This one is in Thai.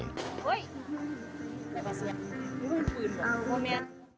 เย้